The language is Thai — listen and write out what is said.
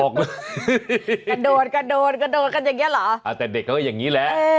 กระโดดกระโดดกระโดดกันอย่างนี้เหรอแต่เด็กเขาก็อย่างนี้แหละ